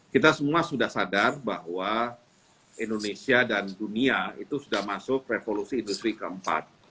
kita semua sudah sadar bahwa indonesia dan dunia itu sudah masuk revolusi industri keempat